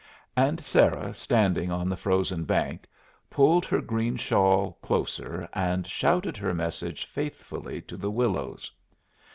And Sarah, standing on the frozen bank, pulled her green shawl closer, and shouted her message faithfully to the willows.